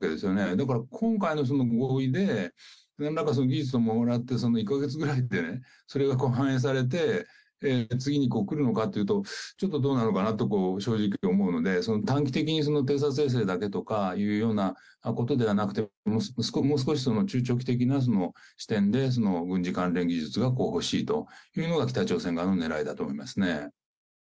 だから、今回の合意で、なんかその技術をもらって、１か月ぐらいでそれが反映されて、次に来るのかというと、ちょっとどうなのかなと、ちょっと正直言って思うので、短期的に偵察衛星だけとかいうようなことではなくて、もう少し中長期的な視点で軍事関連技術が欲しいというのが、北朝鮮側のねらいだと思いますね。